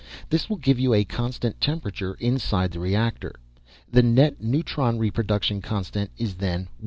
This will give you a constant temperature inside the reactor. The net neutron reproduction constant is then 1.